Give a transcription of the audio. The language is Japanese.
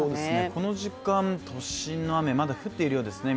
この時間、都心の雨、まだ降っているようですね